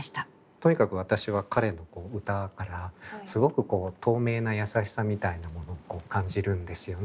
とにかく私は彼の歌からすごく透明なやさしさみたいなものを感じるんですよね。